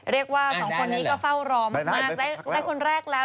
เรียกว่าสองคนนี้ก็เฝ้ารอมากได้คนแรกแล้ว